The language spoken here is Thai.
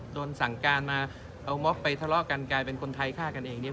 โดนสั่งการมาเอาม็อบไปทะเลาะกันกลายเป็นคนไทยฆ่ากันเองเนี่ย